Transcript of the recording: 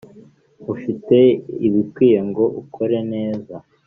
ufite ibikwiye ngo ukore neza